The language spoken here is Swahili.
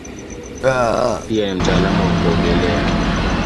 Pia ni mtaalamu wa kuogelea.